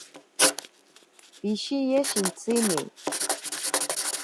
Pishiye shintsini.